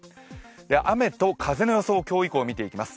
雨と風の予想、今日以降見ていきます。